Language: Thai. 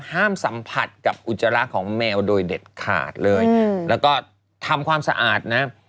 สัมผัสกับอุจจาระของแมวโดยเด็ดขาดเลยแล้วก็ทำความสะอาดนะ